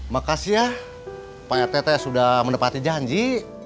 makasih ya pak rt sudah menepati janji